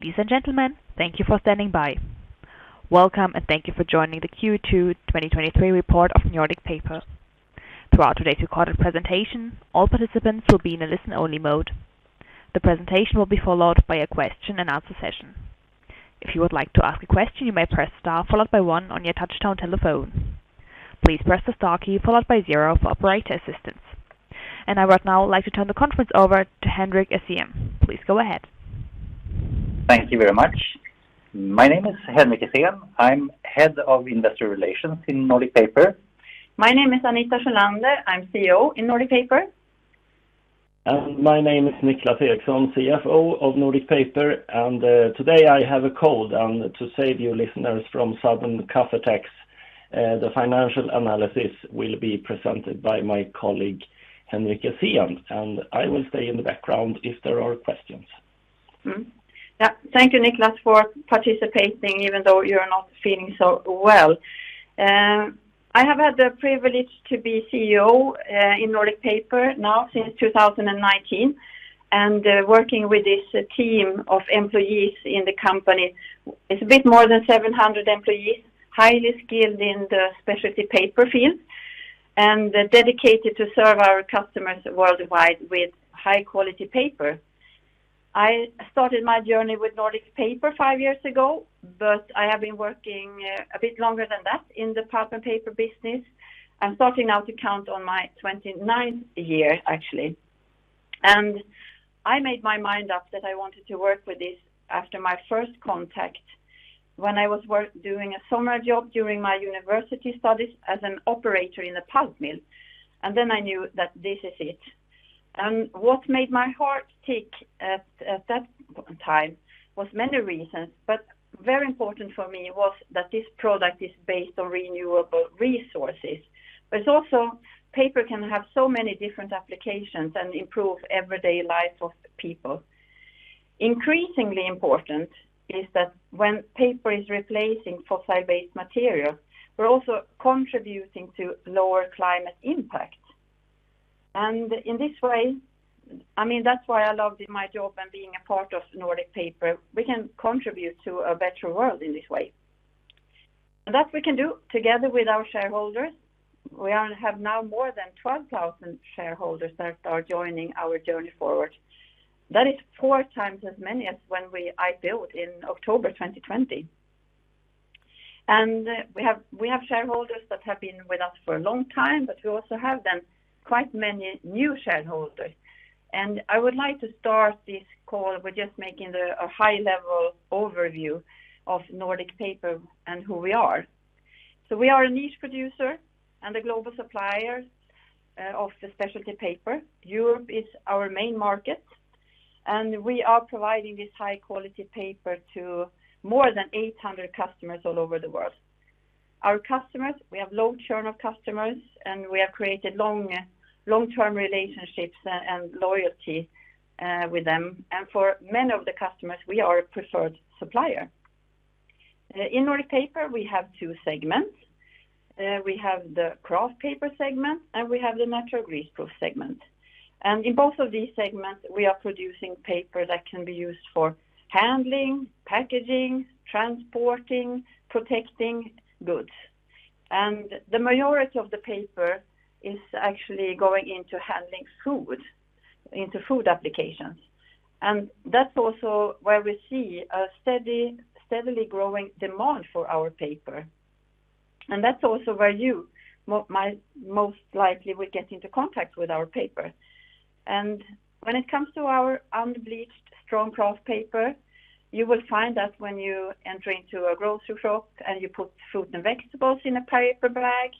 Ladies and gentlemen, thank you for standing by. Welcome, thank you for joining the Q2 2023 report of Nordic Paper. Throughout today's recorded presentation, all participants will be in a listen-only mode. The presentation will be followed by a question and answer session. If you would like to ask a question, you may press star followed by one on your touchtone telephone. Please press the star key followed by zero for operator assistance. I would now like to turn the conference over to Henrik Essén. Please go ahead. Thank you very much. My name is Henrik Essén. I'm Head of Investor Relations in Nordic Paper. My name is Anita Sjölander, I'm CEO in Nordic Paper. My name is Niclas Eriksson, CFO of Nordic Paper, and today I have a cold. To save you listeners from sudden cough attacks, the financial analysis will be presented by my colleague, Henrik Essén, and I will stay in the background if there are questions. Yeah, thank you, Niclas, for participating, even though you're not feeling so well. I have had the privilege to be CEO in Nordic Paper now since 2019, working with this team of employees in the company. It's a bit more than 700 employees, highly skilled in the specialty paper field, and dedicated to serve our customers worldwide with high quality paper. I started my journey with Nordic Paper five years ago, but I have been working a bit longer than that in the pulp and paper business. I'm starting now to count on my 29th year, actually. I made my mind up that I wanted to work with this after my first contact when I was doing a summer job during my university studies as an operator in the pulp mill, I knew that this is it. What made my heart tick at that time was many reasons, but very important for me was that this product is based on renewable resources. It's also, paper can have so many different applications and improve everyday life of people. Increasingly important is that when paper is replacing fossil-based material, we're also contributing to lower climate impact. In this way, I mean, that's why I loved my job and being a part of Nordic Paper. We can contribute to a better world in this way. That we can do together with our shareholders. We have now more than 12,000 shareholders that are joining our journey forward. That is 4 times as many as when I built in October 2020. We have shareholders that have been with us for a long time, but we also have then quite many new shareholders. I would like to start this call with just making a high level overview of Nordic Paper and who we are. We are a niche producer and a global supplier of the specialty paper. Europe is our main market, and we are providing this high quality paper to more than 800 customers all over the world. Our customers, we have low churn of customers, and we have created long-term relationships and loyalty with them. For many of the customers, we are a preferred supplier. In Nordic Paper, we have two segments. We have the kraft paper segment, and we have the Natural Greaseproof segment. In both of these segments, we are producing paper that can be used for handling, packaging, transporting, protecting goods. The majority of the paper is actually going into handling food, into food applications. That's also where we see a steadily growing demand for our paper. That's also where you might most likely will get into contact with our paper. When it comes to our unbleached strong kraft paper, you will find that when you enter into a grocery shop, and you put fruit and vegetables in a paper bag,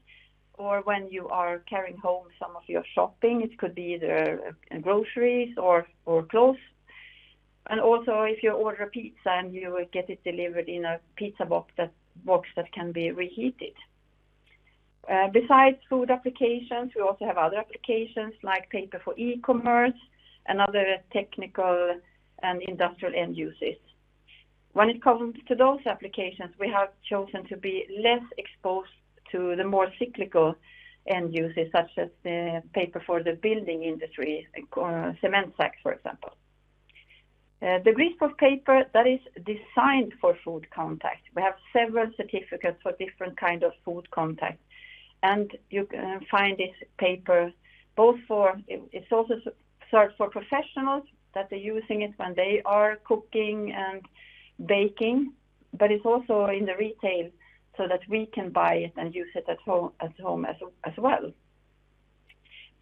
or when you are carrying home some of your shopping, it could be either groceries or clothes. Also, if you order a pizza, and you will get it delivered in a pizza box that can be reheated. Besides food applications, we also have other applications, like paper for e-commerce and other technical and industrial end uses. When it comes to those applications, we have chosen to be less exposed to the more cyclical end uses, such as the paper for the building industry, cement sacks, for example. The greaseproof paper, that is designed for food contact. We have several certificates for different kind of food contact, and you can find this paper both for... It's also served for professionals, that they're using it when they are cooking and baking, but it's also in the retail, so that we can buy it and use it at home as well.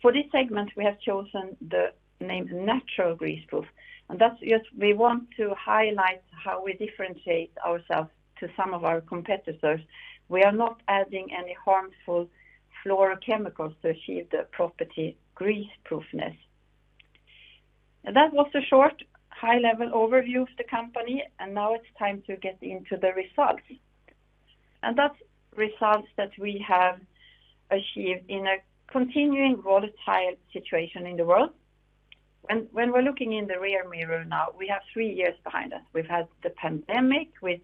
For this segment, we have chosen the name Natural Greaseproof, and that's just we want to highlight how we differentiate ourselves to some of our competitors. We are not adding any harmful fluorochemicals to achieve the property greaseproofness. That was a short, high-level overview of the company, and now it's time to get into the results. That's results that we have achieved in a continuing volatile situation in the world. When we're looking in the rear mirror now, we have three years behind us. We've had the pandemic, with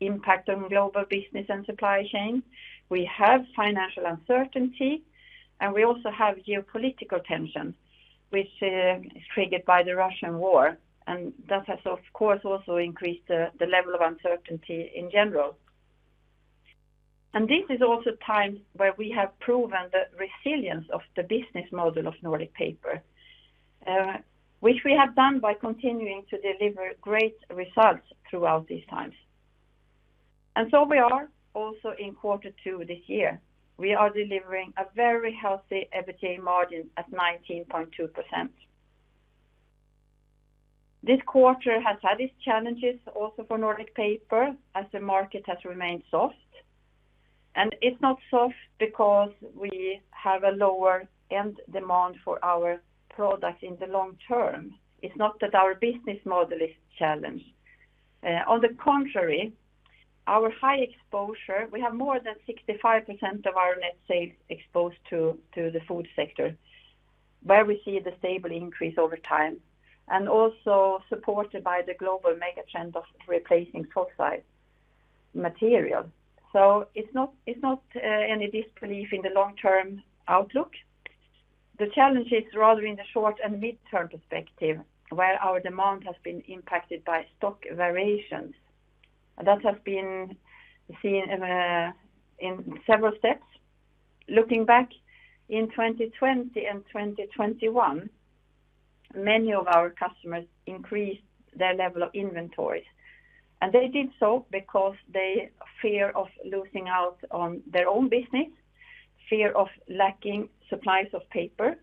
impact on global business and supply chain. We have financial uncertainty, and we also have geopolitical tension, which is triggered by the Russian war, and that has, of course, also increased the level of uncertainty in general. This is also times where we have proven the resilience of the business model of Nordic Paper, which we have done by continuing to deliver great results throughout these times. We are also in quarter two this year, we are delivering a very healthy EBITDA margin at 19.2%. This quarter has had its challenges also for Nordic Paper, as the market has remained soft. It's not soft because we have a lower end demand for our product in the long term. It's not that our business model is challenged. On the contrary, our high exposure, we have more than 65% of our net sales exposed to the food sector, where we see a stable increase over time, and also supported by the global mega trend of replacing fossil material. It's not, it's not, any disbelief in the long-term outlook. The challenge is rather in the short and midterm perspective, where our demand has been impacted by stock variations. That has been seen in several steps. Looking back in 2020 and 2021, many of our customers increased their level of inventories, they did so because they fear of losing out on their own business, fear of lacking supplies of paper,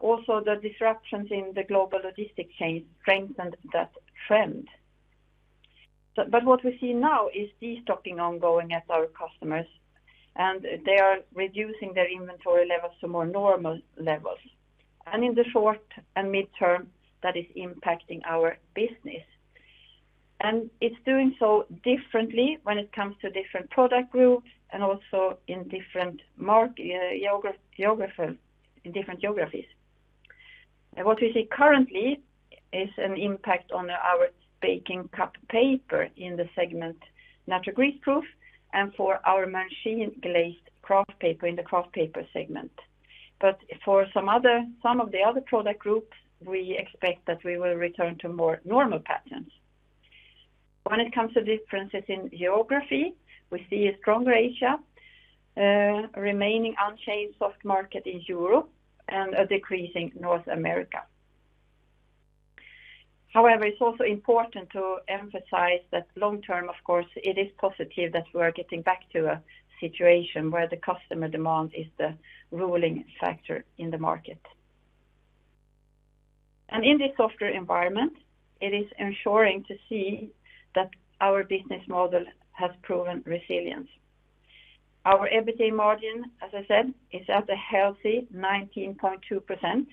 also the disruptions in the global logistics chain strengthened that trend. What we see now is destocking ongoing at our customers, they are reducing their inventory levels to more normal levels. In the short and midterm, that is impacting our business. It's doing so differently when it comes to different product groups and also in different geographies, in different geographies. What we see currently is an impact on our baking cup paper in the segment, Natural Greaseproof, for our machine glazed kraft paper in the kraft paper segment. For some other, some of the other product groups, we expect that we will return to more normal patterns. When it comes to differences in geography, we see a stronger Asia, remaining unchanged soft market in Europe and a decreasing North America. However, it's also important to emphasize that long term, of course, it is positive that we are getting back to a situation where the customer demand is the ruling factor in the market. In this softer environment, it is ensuring to see that our business model has proven resilience. Our EBITDA margin, as I said, is at a healthy 19.2%.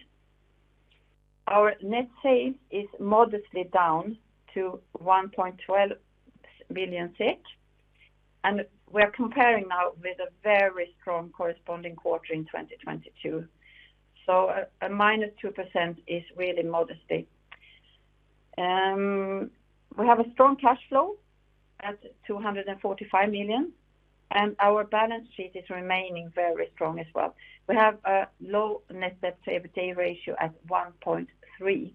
Our net sales is modestly down to 1.12 billion, and we are comparing now with a very strong corresponding quarter in 2022. A -2% is really modestly. We have a strong cash flow at 245 million. Our balance sheet is remaining very strong as well. We have a low net debt to EBITDA ratio at 1.3.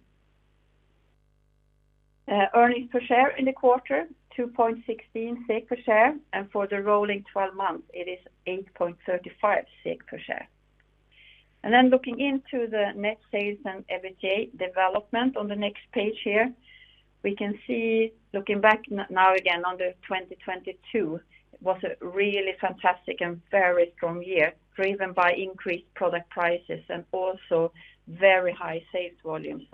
Earnings per share in the quarter, 2.16 SEK per share. For the rolling twelve months, it is 8.35 SEK per share. Looking into the net sales and EBITDA development on the next page here, we can see, looking back now again, under 2022, it was a really fantastic and very strong year, driven by increased product prices and also very high sales volume.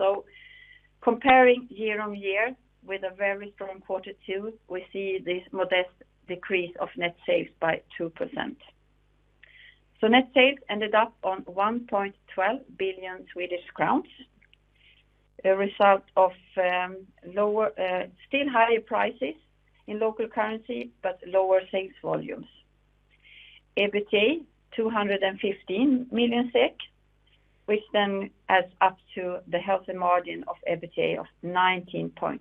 Comparing year-on-year with a very strong quarter two, we see this modest decrease of net sales by 2%. Net sales ended up on 1.12 billion Swedish crowns, a result of lower, still higher prices in local currency, but lower sales volumes. EBITDA, 215 million SEK, which adds up to the healthy margin of EBITDA of 19.2%.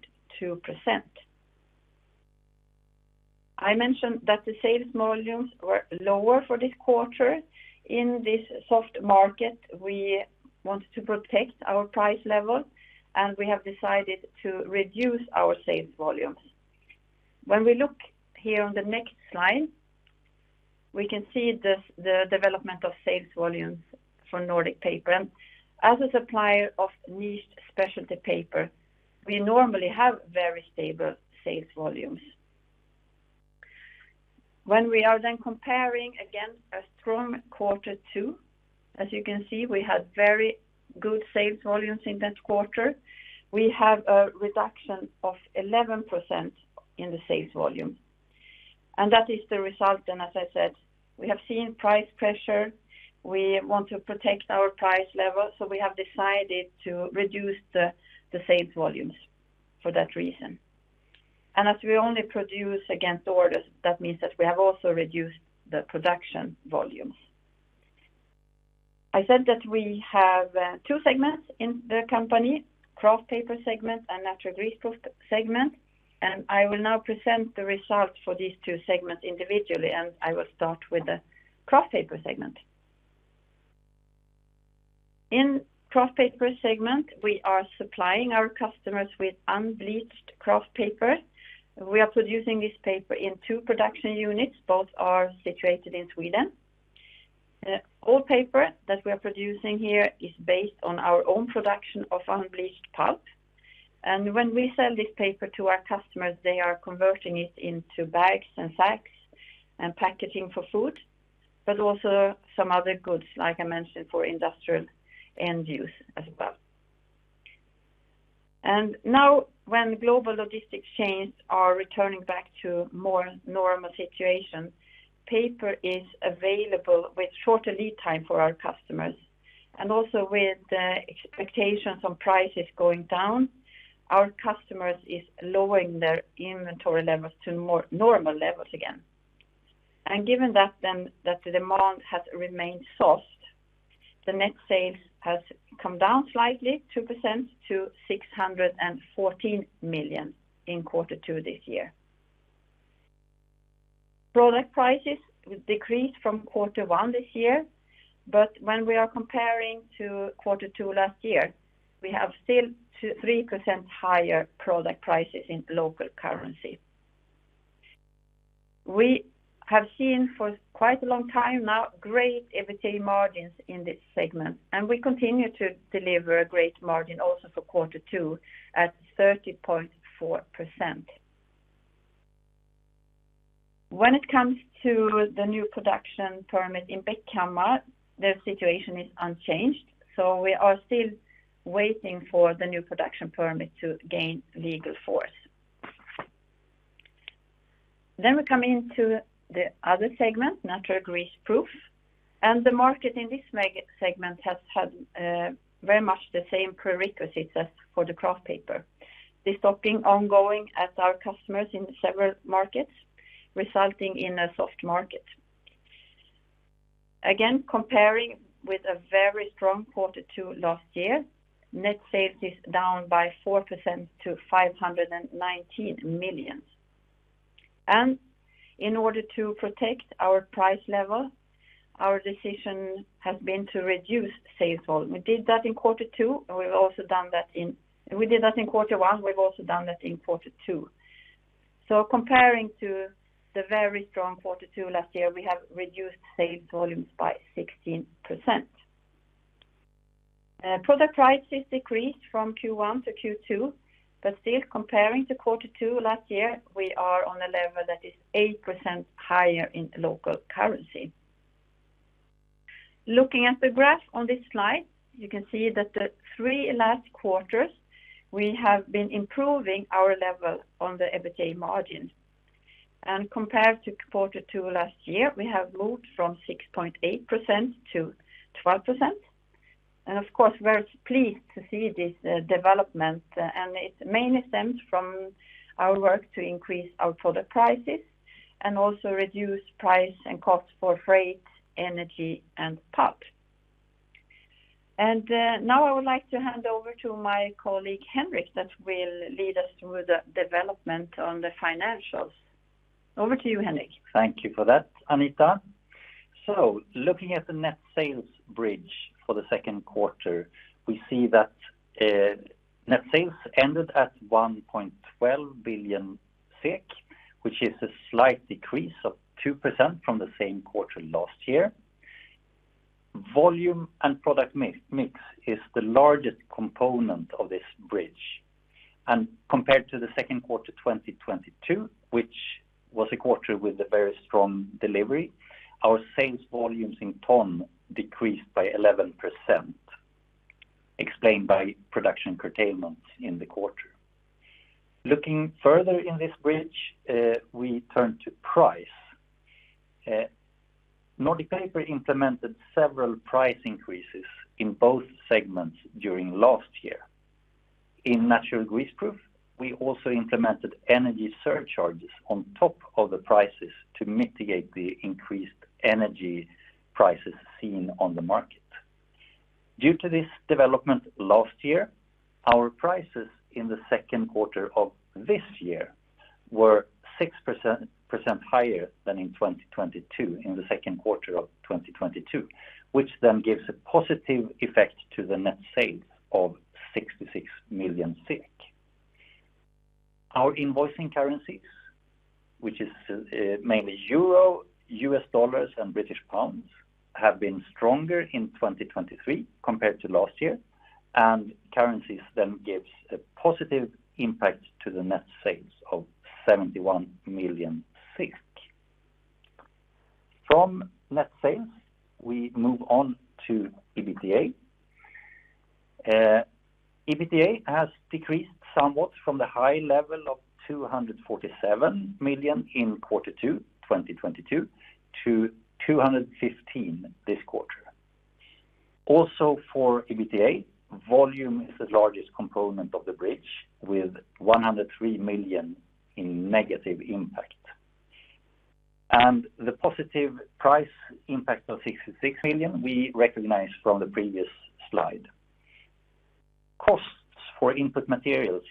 I mentioned that the sales volumes were lower for this quarter. In this soft market, we want to protect our price level, and we have decided to reduce our sales volumes. We look here on the next slide, we can see the development of sales volumes for Nordic Paper. As a supplier of niche specialty paper, we normally have very stable sales volumes. We are comparing against a strong quarter two, as you can see, we had very good sales volumes in that quarter. We have a reduction of 11% in the sales volume. That is the result. As I said, we have seen price pressure. We want to protect our price level. We have decided to reduce the sales volumes for that reason. As we only produce against orders, that means that we have also reduced the production volumes. I said that we have two segments in the company, kraft paper segment and Natural Greaseproof segment. I will now present the results for these two segments individually. I will start with the kraft paper segment. In kraft paper segment, we are supplying our customers with unbleached kraft paper. We are producing this paper in two production units, both are situated in Sweden. All paper that we are producing here is based on our own production of unbleached pulp. When we sell this paper to our customers, they are converting it into bags and sacks and packaging for food, but also some other goods, like I mentioned, for industrial end use as well. Now, when global logistics chains are returning back to more normal situation, paper is available with shorter lead time for our customers. Also with the expectations on prices going down, our customers is lowering their inventory levels to more normal levels again. Given that then, that the demand has remained soft, the net sales has come down slightly, 2%, to 614 million in quarter two this year. Product prices decreased from quarter one this year, when we are comparing to quarter two last year, we have still 3% higher product prices in local currency. We have seen for quite a long time now, great EBITDA margins in this segment. We continue to deliver a great margin also for quarter two at 30.4%. When it comes to the new production permit in Bäckhammar, the situation is unchanged. We are still waiting for the new production permit to gain legal force. We come into the other segment, Natural Greaseproof, the market in this segment has had very much the same prerequisites as for the kraft paper. The stocking ongoing as our customers in several markets, resulting in a soft market. Again, comparing with a very strong quarter two last year, net sales is down by 4% to 519 million. In order to protect our price level, our decision has been to reduce sales volume. We did that in quarter one, we've also done that in quarter two. Comparing to the very strong quarter two last year, we have reduced sales volumes by 16%. Product prices decreased from Q1 to Q2, but still comparing to quarter two last year, we are on a level that is 8% higher in local currency. Looking at the graph on this slide, you can see that the 3 last quarters, we have been improving our level on the EBITDA margin. Compared to quarter two last year, we have moved from 6.8% to 12%. Of course, we're pleased to see this development, and it mainly stems from our work to increase our product prices and also reduce price and cost for freight, energy, and pulp. now I would like to hand over to my colleague, Henrik, that will lead us through the development on the financials. Over to you, Henrik. Thank you for that, Anita. Looking at the net sales bridge for the Q2, we see that net sales ended at 1.12 billion SEK, which is a slight decrease of 2% from the same quarter last year. Volume and product mix is the largest component of this bridge. Compared to the Q2 of 2022, which was a quarter with a very strong delivery, our sales volumes in ton decreased by 11%, explained by production curtailment in the quarter. Looking further in this bridge, we turn to price. Nordic Paper implemented several price increases in both segments during last year. In Natural Greaseproof, we also implemented energy surcharges on top of the prices to mitigate the increased energy prices seen on the market. Due to this development last year, our prices in the Q2 of this year were 6% higher than in 2022, in the Q2 of 2022, which gives a positive effect to the net sales of 66 million. Our invoicing currencies, which is mainly euro, US dollars, and British pounds, have been stronger in 2023 compared to last year. Currencies then gives a positive impact to the net sales of 71 million. From net sales, we move on to EBITDA. EBITDA has decreased somewhat from the high level of 247 million in quarter two, 2022, to 215 million this quarter. Also, for EBITDA, volume is the largest component of the bridge, with 103 million in negative impact. The positive price impact of 66 million, we recognize from the previous slide. Costs for input materials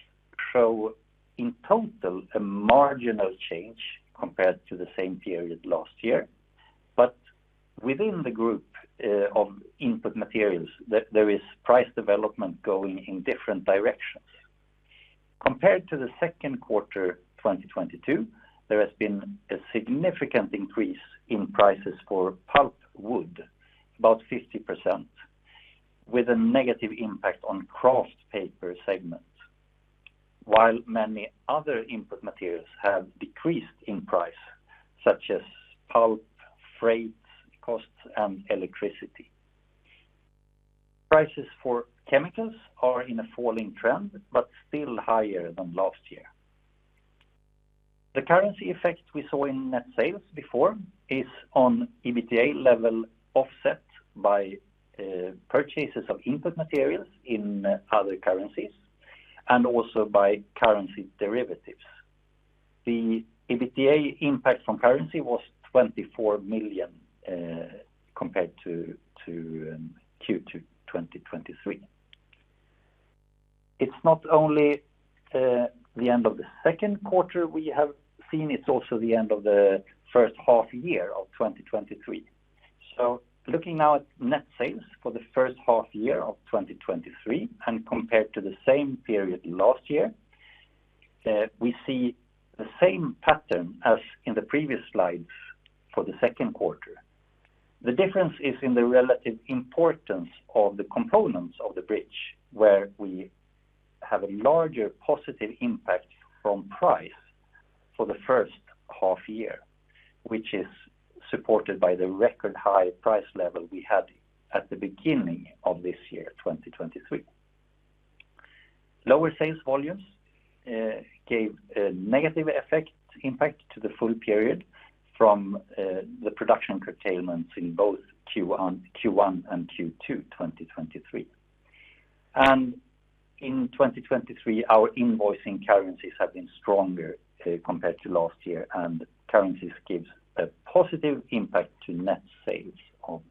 show in total a marginal change compared to the same period last year, but within the group of input materials, there is price development going in different directions. Compared to the Q2, 2022, there has been a significant increase in prices for pulpwood, about 50%, with a negative impact on kraft paper segment. While many other input materials have decreased in price, such as pulp, freights, costs, and electricity. Prices for chemicals are in a falling trend, but still higher than last year. The currency effect we saw in net sales before is on EBITDA level, offset by purchases of input materials in other currencies, and also by currency derivatives. The EBITDA impact from currency was 24 million compared to Q2 2023. It's not only the end of the Q2 we have seen, it's also the end of the first half year of 2023. Looking now at net sales for the first half year of 2023, and compared to the same period last year, we see the same pattern as in the previous slides for the Q2. The difference is in the relative importance of the components of the bridge, where we have a larger positive impact from price for the first half year, which is supported by the record high price level we had at the beginning of this year, 2023. Lower sales volumes gave a negative effect, impact to the full period from the production curtailments in both Q1 and Q2 2023. In 2023, our invoicing currencies have been stronger compared to last year, and currencies gives a positive impact to net sales of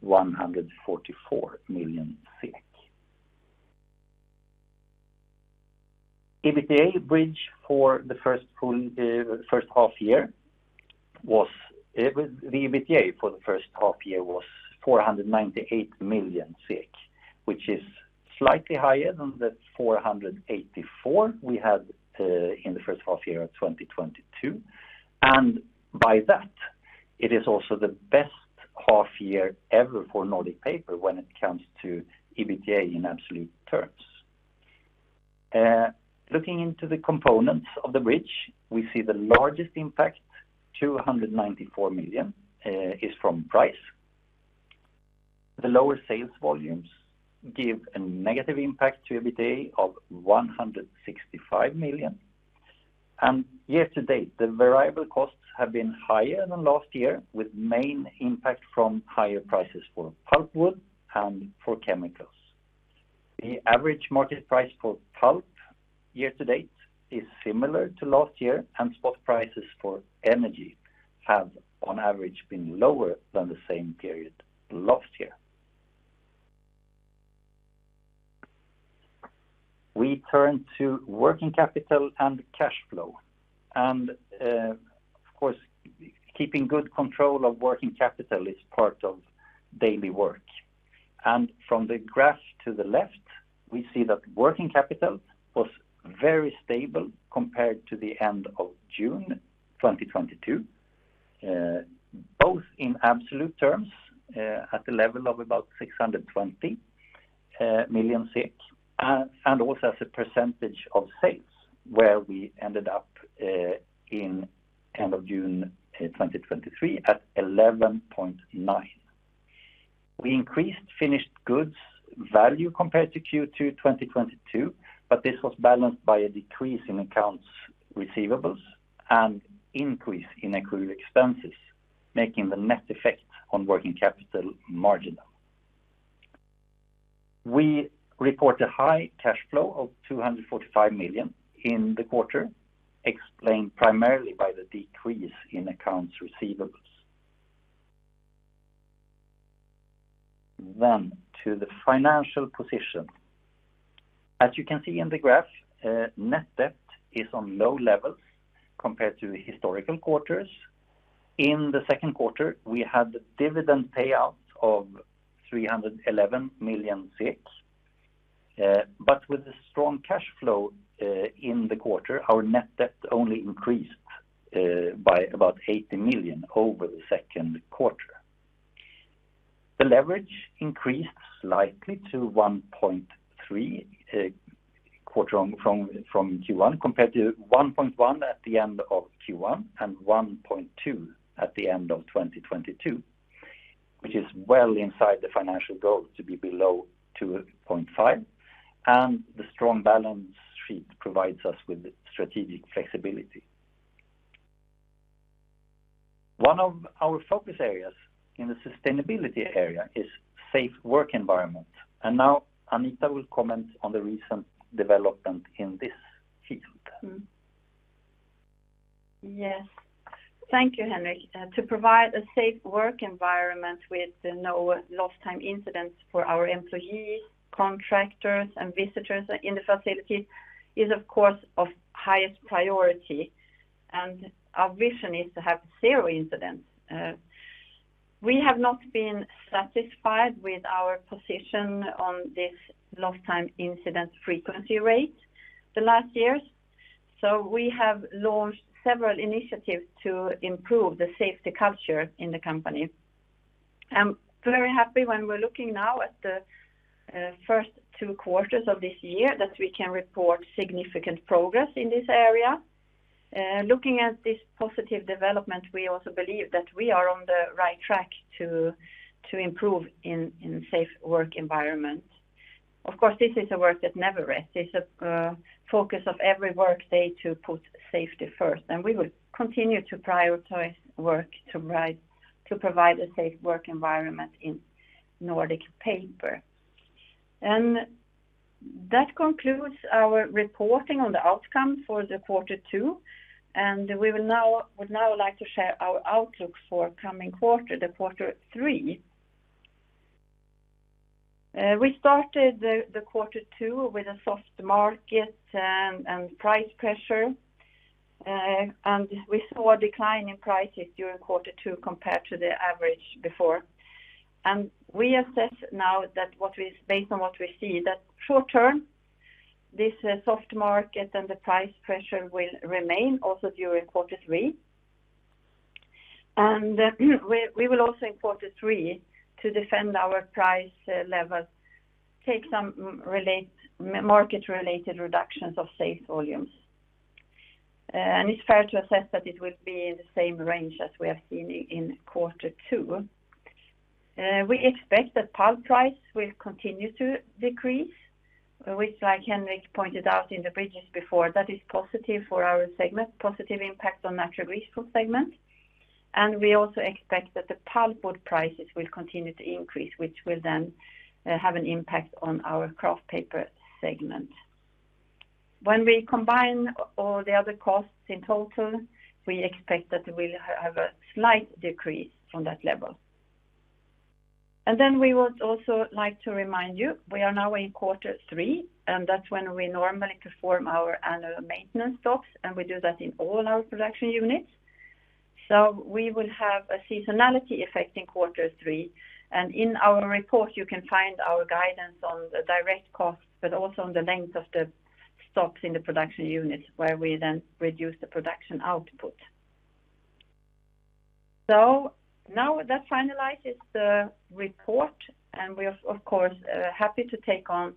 144 million SEK. EBITDA bridge for the first half year was 498 million, which is slightly higher than the 484 million we had in the first half year of 2022. By that, it is also the best half year ever for Nordic Paper when it comes to EBITDA in absolute terms. Looking into the components of the bridge, we see the largest impact, 294 million, is from price. The lower sales volumes give a negative impact to EBITDA of 165 million. Year-to-date, the variable costs have been higher than last year, with main impact from higher prices for pulpwood and for chemicals. The average market price for pulp year-to-date is similar to last year, and spot prices for energy have, on average, been lower than the same period last year. We turn to working capital and cash flow. Of course, keeping good control of working capital is part of daily work. From the graph to the left, we see that working capital was very stable compared to the end of June 2022, both in absolute terms, at the level of about 620 million SEK, and also as a percentage of sales, where we ended up in end of June 2023 at 11.9%. We increased finished goods value compared to Q2 2022, but this was balanced by a decrease in accounts receivables and increase in accrued expenses, making the net effect on working capital marginal. We report a high cash flow of 245 million in the quarter, explained primarily by the decrease in accounts receivables. To the financial position. As you can see in the graph, net debt is on low levels compared to historical quarters. In the Q2, we had dividend payout of 311 million, but with the strong cash flow in the quarter, our net debt only increased by about 80 million over the Q2. The leverage increased slightly to 1.3, quarter from Q1, compared to 1.1 at the end of Q1 and 1.2 at the end of 2022, which is well inside the financial goal, to be below 2.5. The strong balance sheet provides us with strategic flexibility. One of our focus areas in the sustainability area is safe work environment. Now Anita will comment on the recent development in this. Yes, thank you, Henrik. To provide a safe work environment with no lost time incidents for our employees, contractors, and visitors in the facility is, of course, of highest priority, and our vision is to have zero incidents. We have not been satisfied with our position on this lost time incident frequency rate the last years, we have launched several initiatives to improve the safety culture in the company. I'm very happy when we're looking now at the first Q2 of this year, that we can report significant progress in this area. Looking at this positive development, we also believe that we are on the right track to improve in safe work environment. Of course, this is a work that never rests. It's a focus of every workday to put safety first, and we will continue to prioritize work to provide a safe work environment in Nordic Paper. That concludes our reporting on the outcome for Q2, and we would now like to share our outlook for coming Q3. We started Q2 with a soft market and price pressure, and we saw a decline in prices during Q2 compared to the average before. We assess now that what we, based on what we see, that short term, this soft market and the price pressure will remain also during Q3. We will also in Q3, to defend our price levels, take some market-related reductions of safe volumes. It's fair to assess that it will be in the same range as we have seen in Q2. We expect that pulp price will continue to decrease, which, like Henrik pointed out in the bridges before, that is positive for our segment, positive impact on Natural Resource segment. We also expect that the pulpwood prices will continue to increase, which will then have an impact on our kraft paper segment. When we combine all the other costs in total, we expect that we'll have a slight decrease from that level. We would also like to remind you, we are now in quarter three, and that's when we normally perform our annual maintenance stocks, and we do that in all our production units. We will have a seasonality effect in quarter three, and in our report, you can find our guidance on the direct costs, but also on the length of the stocks in the production units, where we then reduce the production output. Now that finalizes the report, and we are, of course, happy to take on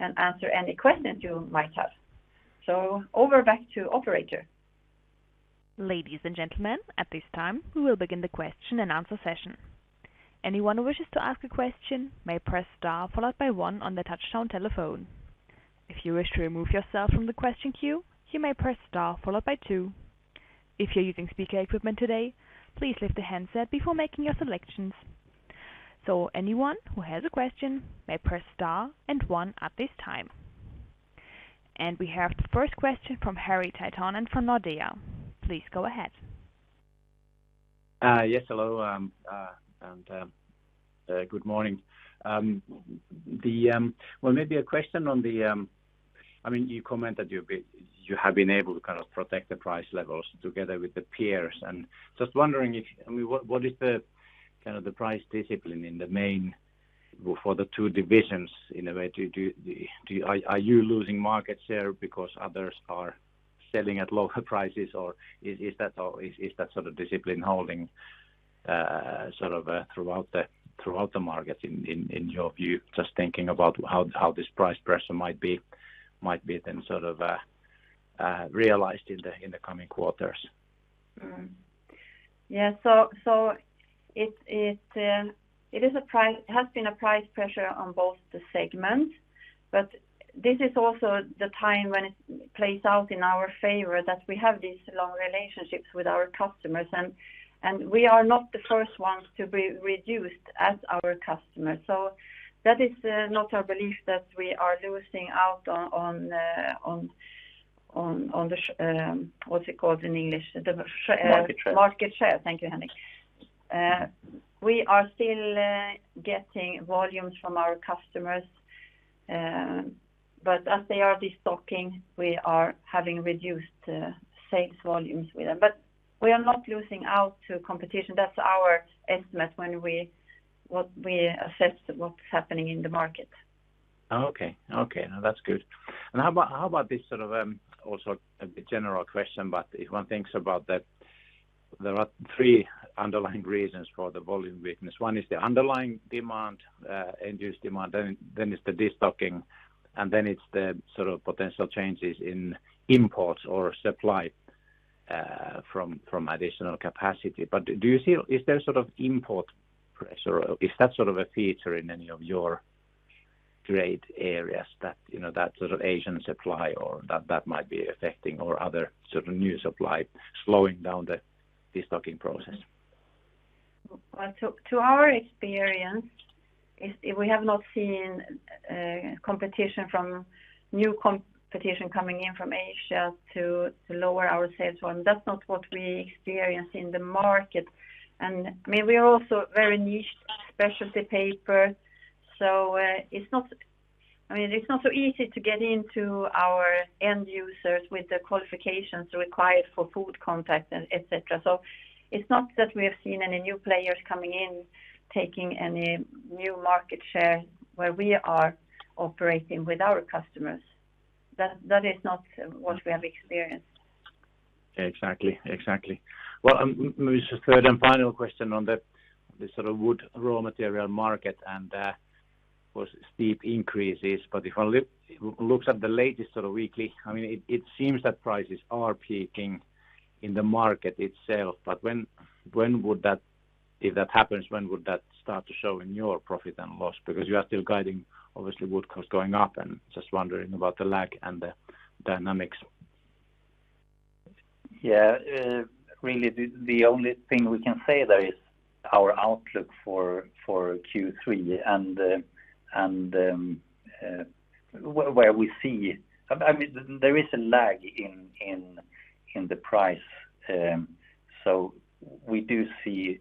and answer any questions you might have. Over back to operator. Ladies and gentlemen, at this time, we will begin the question and answer session. Anyone who wishes to ask a question may press star, followed by one on their touchtone telephone. If you wish to remove yourself from the question queue, you may press star, followed by two. If you're using speaker equipment today, please lift the handset before making your selections. Anyone who has a question may press star and one at this time. We have the first question from Harri Tiittanen from Nordea. Please go ahead. Yes, hello, good morning. Well, maybe a question on the, I mean, you commented you've been, you have been able to kind of protect the price levels together with the peers, and just wondering if, I mean, what is the, kind of, the price discipline in the main, for the two divisions in a way? Are you losing market share because others are selling at lower prices, or is that, or is that sort of discipline holding, sort of, throughout the market in your view? Just thinking about how this price pressure might be then sort of realized in the coming quarters. It is a price, has been a price pressure on both the segments. This is also the time when it plays out in our favor, that we have these long relationships with our customers. We are not the first ones to be reduced as our customers. That is not our belief that we are losing out on what's it called in English? Market share. Market share. Thank you, Henrik. We are still getting volumes from our customers, but as they are destocking, we are having reduced sales volumes with them. We are not losing out to competition. That's our estimate what we assess what's happening in the market. Okay. Okay, now, that's good. How about this sort of, also a general question, but if one thinks about that, there are three underlying reasons for the volume weakness. One is the underlying demand, induced demand, then it's the destocking, and then it's the sort of potential changes in imports or supply from additional capacity. Do you see, is there sort of import pressure, or is that sort of a feature in any of your trade areas that, you know, that sort of Asian supply or that might be affecting or other sort of new supply slowing down the destocking process? Well, to our experience, we have not seen competition from new competition coming in from Asia to lower our sales one. That's not what we experience in the market. I mean, we are also very niched specialty paper, it's not, I mean, it's not so easy to get into our end users with the qualifications required for food contact and et cetera. It's not that we have seen any new players coming in, taking any new market share where we are operating with our customers. That is not what we have experienced. Okay, exactly. Well, maybe just a third and final question on the sort of wood raw material market and was steep increases. If one looks at the latest sort of weekly, I mean, it seems that prices are peaking in the market itself, but when would that, if that happens, when would that start to show in your profit and loss? You are still guiding, obviously, wood cost going up, and just wondering about the lag and the dynamics. Yeah, really the only thing we can say there is our outlook for Q3. Where we see, I mean, there is a lag in the price. We do see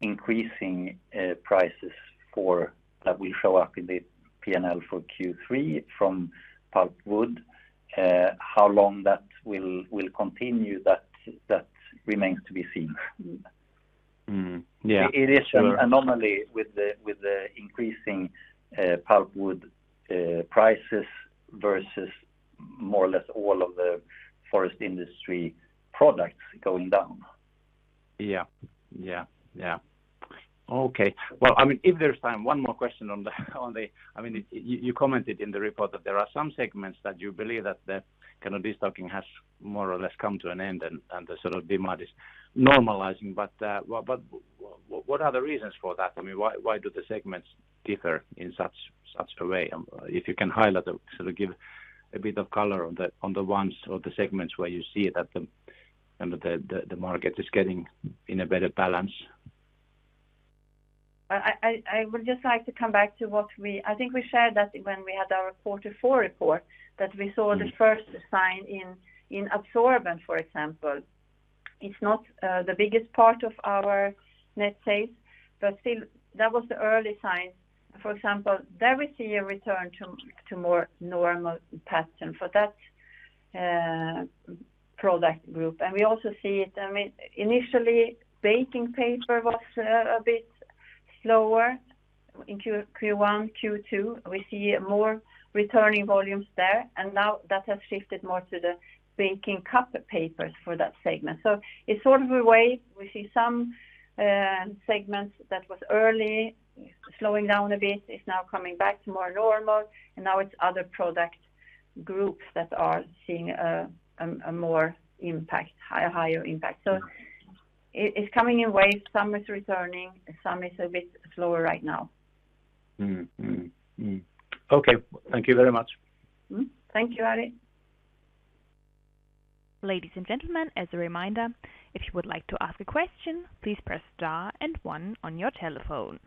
increasing prices for, that will show up in the P&L for Q3 from pulpwood. How long that will continue, that remains to be seen. Mm. Yeah. It is an anomaly with the increasing pulpwood prices versus more or less all of the forest industry products going down. Yeah. Yeah, yeah. Okay. Well, I mean, if there's time, one more question on the, on the I mean, you commented in the report that there are some segments that you believe that the kind of destocking has more or less come to an end, and the sort of demand is normalizing. What are the reasons for that? I mean, why do the segments differ in such a way? If you can highlight or sort of give a bit of color on the, on the ones or the segments where you see that the market is getting in a better balance. I would just like to come back to what I think we shared that when we had our Q4 report, that we saw the first sign in absorbent, for example. It's not the biggest part of our net sales, but still, that was the early signs. For example, there we see a return to more normal pattern for that product group. We also see it, I mean, initially, baking paper was a bit slower in Q1, Q2. We see more returning volumes there, and now that has shifted more to the baking cup papers for that segment. In sort of a way, we see some segments that was early, slowing down a bit, is now coming back to more normal, and now it's other product groups that are seeing a more impact, higher impact. It's coming in waves. Some is returning, some is a bit slower right now. Okay, thank you very much. Mm-hmm. Thank you, Ari. Ladies and gentlemen, as a reminder, if you would like to ask a question, please press star and one on your telephone.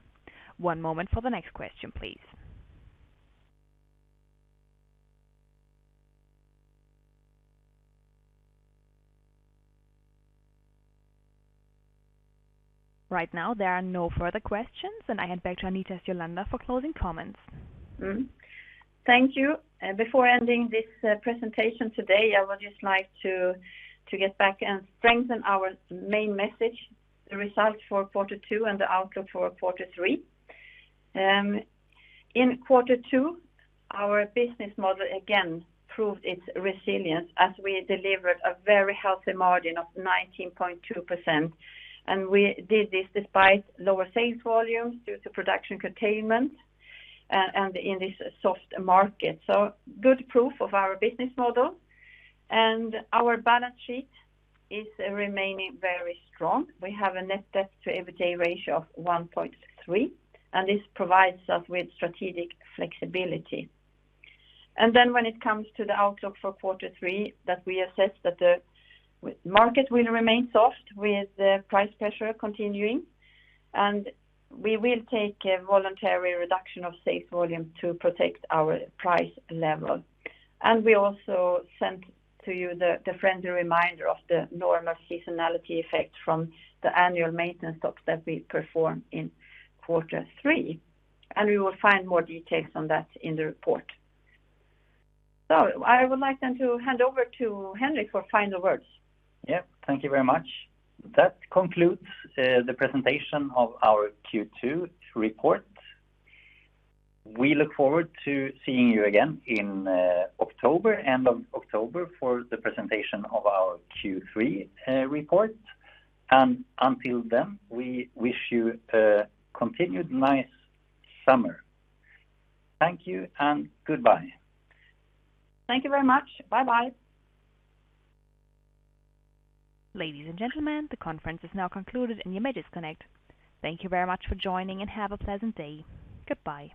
One moment for the next question, please. Right now, there are no further questions, and I hand back to Anita Sjölander for closing comments. Thank you. Before ending this presentation today, I would just like to get back and strengthen our main message, the results for Q2 and the outlook for Q3. In Q2, our business model again proved its resilience, as we delivered a very healthy margin of 19.2%, and we did this despite lower sales volumes due to production curtailment in this soft market. Good proof of our business model, and our balance sheet is remaining very strong. We have a net debt to EBITDA ratio of 1.3, and this provides us with strategic flexibility. When it comes to the outlook for Q3, that we assess that the market will remain soft, with the price pressure continuing, and we will take a voluntary reduction of sales volumes to protect our price level. We also sent to you the friendly reminder of the normal seasonality effect from the annual maintenance stops that we perform in Q3, and we will find more details on that in the report. I would like then to hand over to Henrik for final words. Yeah. Thank you very much. That concludes the presentation of our Q2 report. We look forward to seeing you again in October, end of October, for the presentation of our Q3 report. Until then, we wish you a continued nice summer. Thank you, and goodbye. Thank you very much. Bye-bye. Ladies and gentlemen, the conference is now concluded and you may disconnect. Thank you very much for joining, and have a pleasant day. Goodbye.